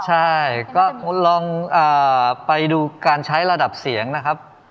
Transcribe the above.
ใช่ก็คุณลองไปดูการใช้ระดับเสียงนะครับ